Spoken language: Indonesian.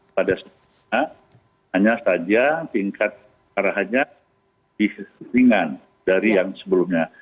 pada saat hanya saja tingkat arahannya lebih ringan dari yang sebelumnya